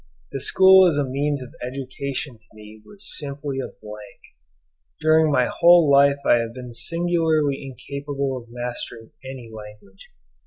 The school as a means of education to me was simply a blank. During my whole life I have been singularly incapable of mastering any language.